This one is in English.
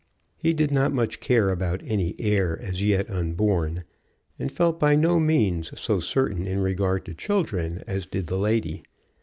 He did not much care about any heir as yet unborn, and felt by no means so certain in regard to children as did the lady.